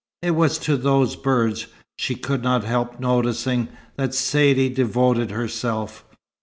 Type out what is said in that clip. It was to those birds, she could not help noticing, that Saidee devoted herself.